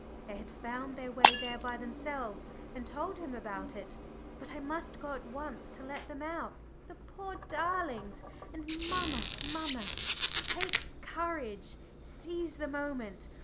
They had found their way there by themselves, and told him about it. But I must go at once to let them out, the poor darlings. And, mamma, mamma, take courage seize the moment.